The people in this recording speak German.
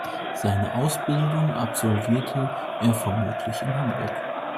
Seine Ausbildung absolvierte er vermutlich in Hamburg.